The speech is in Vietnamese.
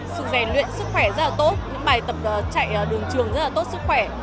sự rèn luyện sức khỏe rất là tốt những bài tập chạy đường trường rất là tốt sức khỏe